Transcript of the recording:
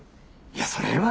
いやそれは。